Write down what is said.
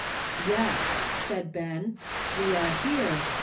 "Yes," said Ben, "we are here.